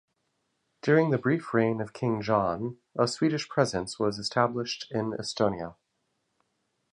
During the brief reign of King John, a Swedish presence was established in Estonia.